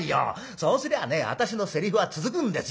そうすりゃあね私のセリフは続くんですよ。ね？